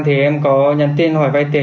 thì em có nhắn tin hỏi vai tiền